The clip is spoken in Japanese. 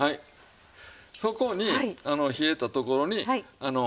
そこに冷えたところに味付け。